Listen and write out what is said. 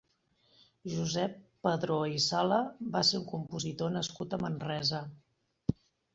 Josep Padró i Sala va ser un compositor nascut a Manresa.